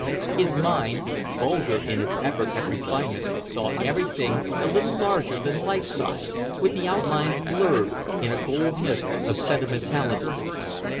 His mind, vulgar in its effort at refinement, saw everything a little larger than life size, with the outlines blurred, in a golden mist of sentimentality.